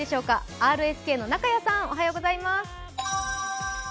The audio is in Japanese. ＲＳＫの中屋さんおはようございます。